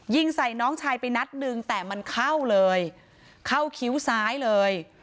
ยิงใส่น้องชายไปนัดหนึ่งแต่มันเข้าเลยเข้าคิ้วซ้ายเลย